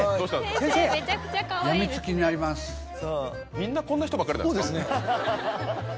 みんなこんな人ばっかりなんですか？